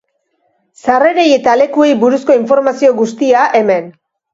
Sarrerei eta lekuei buruzko informazio guztia, hemen.